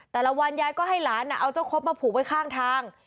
แต่ละวันยายก็ให้หลานเอาเจ้าครบมาผูกไว้ข้างทาง